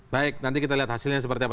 baik nanti kita lihat hasilnya seperti apa